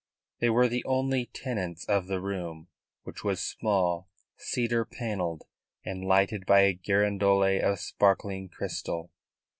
They were the only tenants of the room, which was small, cedar panelled and lighted by a girandole of sparkling crystal.